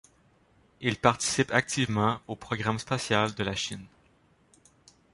Il participe activement au programme spatial de la Chine.